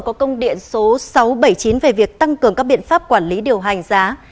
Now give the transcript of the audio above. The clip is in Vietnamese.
thủ tướng phạm minh chính vừa có công điện số sáu trăm bảy mươi chín về việc tăng cường các biện pháp quản lý điều hành giá